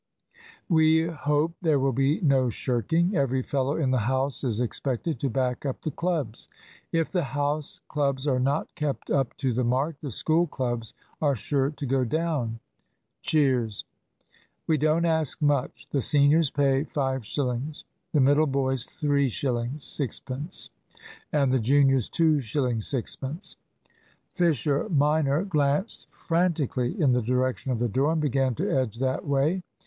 "We hope there will be no shirking. Every fellow in the house is expected to back up the clubs. If the House clubs are not kept up to the mark, the School clubs are sure to go down," (cheers). "We don't ask much. The seniors pay 5 shillings, the middle boys 3 shillings 6 pence, and the juniors 2 shillings 6 pence." (Fisher minor glanced frantically in the direction of the door, and began to edge that way.)